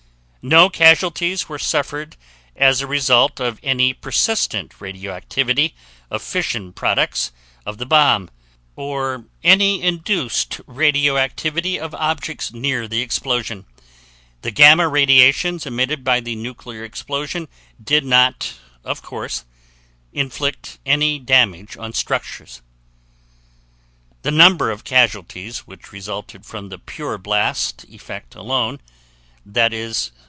No casualties were suffered as a result of any persistent radioactivity of fission products of the bomb, or any induced radioactivity of objects near the explosion. The gamma radiations emitted by the nuclear explosion did not, of course, inflict any damage on structures. The number of casualties which resulted from the pure blast effect alone (i.e.